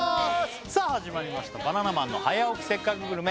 さあ始まりました「バナナマンの早起きせっかくグルメ！！」